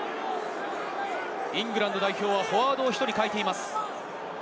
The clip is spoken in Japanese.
イングランド代表はフォワードを１人代えています。